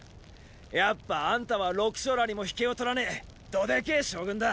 やっぱあんたは六将らにもひけをとらねェどでけェ将軍だ。